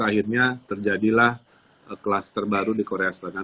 akhirnya terjadilah kelas terbaru di korea selatan